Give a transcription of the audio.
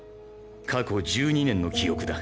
過去１２年の記憶だ。